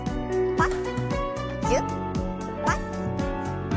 パッ。